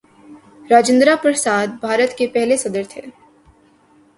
راجندرہ پرساد بھارت کے پہلے صدر تھے.